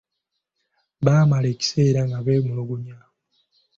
Baamala akaseera nga beemulugunya.